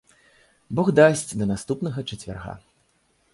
Бог дасць, да наступнага чацвярга.